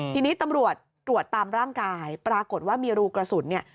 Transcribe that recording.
ทีนี้ตำรวจตรวจตามร่างกายปรากฏว่ามีรูกระสุนเนี่ย